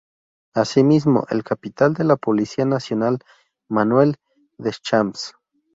Asimismo, el Capitán de la Policía Nacional, Manuel Deschamps.